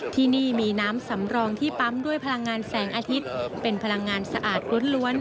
ที่นี่มีน้ำสำรองที่ปั๊มด้วยพลังงานแสงอาทิตย์เป็นพลังงานสะอาดล้วน